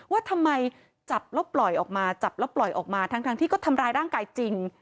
ว่าทำไมจับแล้วปล่อยออกมาจับแล้วปล่อยออกมาทั้งที่ก็ทำร้ายร่างกายจริง